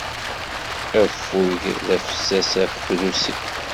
Affug d afessas ɣef trusi.